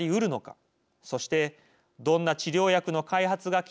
そしてどんな治療薬の開発が期待できるのか。